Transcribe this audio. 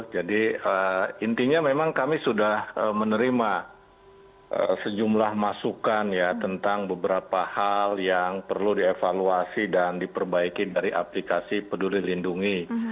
jadi intinya memang kami sudah menerima sejumlah masukan ya tentang beberapa hal yang perlu dievaluasi dan diperbaiki dari aplikasi peduli lindungi